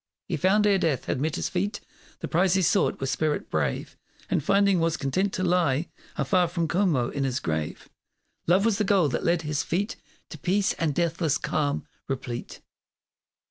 He found, ere death had met his feet The prize he sought with spirit brave, And finding was content to lie Afar from Como in his grave. Love was the goal that led his feet To peace and deathless calm replete.